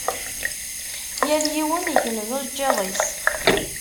Yal yiwen ikmez ajeǧǧiḍ-is.